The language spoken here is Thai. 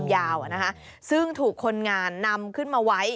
ยาวประมาณ๓เมตร